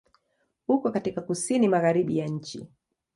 Uko katika Kusini Magharibi ya nchi.